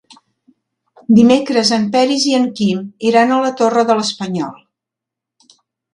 Dimecres en Peris i en Quim iran a la Torre de l'Espanyol.